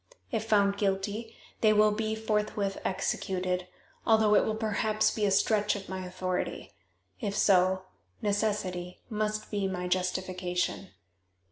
If found guilty they will be forthwith executed, although it will perhaps be a stretch of my authority. If so, necessity must be my justification.